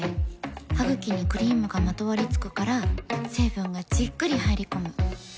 ハグキにクリームがまとわりつくから成分がじっくり入り込む。